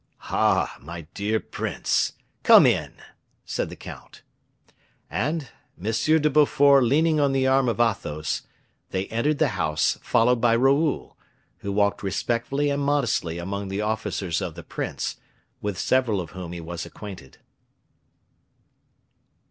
"Ah! my dear prince, come in!" said the count. And, M. de Beaufort leaning on the arm of Athos, they entered the house, followed by Raoul, who walked respectfully and modestly among the officers of the prince, with several of whom he was acquainted.